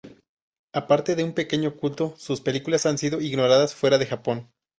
Aparte de un pequeño culto, sus películas han sido ignoradas fuera de Japón.